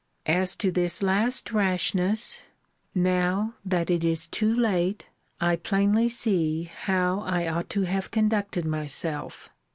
As to this last rashness; now, that it is too late, I plainly see how I ought to have conducted myself.